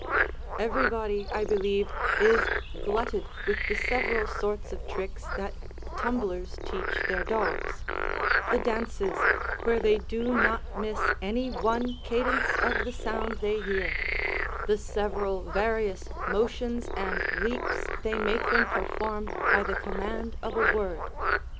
Everybody, I believe, is glutted with the several sorts of tricks that tumblers teach their dogs; the dances, where they do not miss any one cadence of the sound they hear; the several various motions and leaps they make them perform by the command of a word.